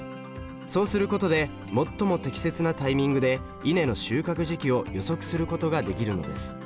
そうすることで最も適切なタイミングで稲の収穫時期を予測することができるのです。